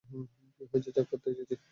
কী হয়েছে চেক করতে এসেছি।